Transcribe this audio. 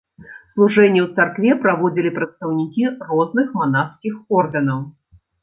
Служэнне ў царкве праводзілі прадстаўнікі розных манаскіх ордэнаў.